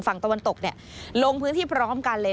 ฝั่งตะวันตกลงพื้นที่พร้อมกันเลย